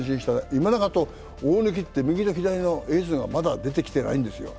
今永と大貫っていう右左のエースがまだ出てきていないんですよ。